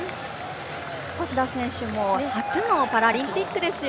小須田選手も初のパラリンピックですよ。